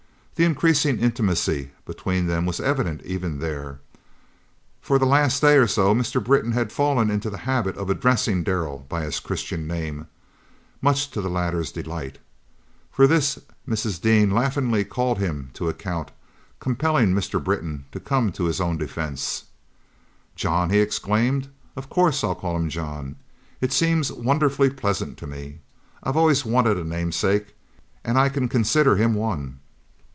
The increasing intimacy between them was evident even there. For the last day or so Mr. Britton had fallen into the habit of addressing Darrell by his Christian name, much to the latter's delight. For this Mrs. Dean laughingly called him to account, compelling Mr. Britton to come to his own defence. "'John,'" he exclaimed; "of course I'll call him 'John.' It seems wonderfully pleasant to me. I've always wanted a namesake, and I can consider him one."